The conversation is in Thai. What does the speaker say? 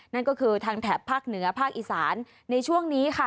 นั่นก็คือทางแถบภาคเหนือภาคอีสานในช่วงนี้ค่ะ